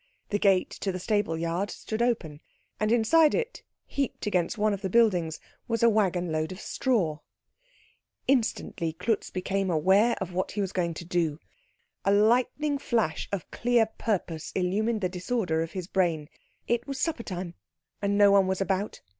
The gate to the stableyard stood open, and inside it, heaped against one of the buildings, was a waggon load of straw. Instantly Klutz became aware of what he was going to do. A lightning flash of clear purpose illumined the disorder of his brain. It was supper time, and no one was about.